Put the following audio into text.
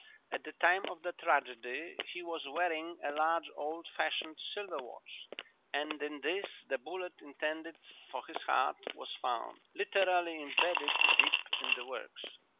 At the time of the tragedy he was wearing a large old fashioned silver watch; and in this the bullet intended for his heart was found, literally embedded deep in the works.